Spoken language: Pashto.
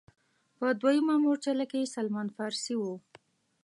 په دویمه مورچله کې سلمان فارسي و.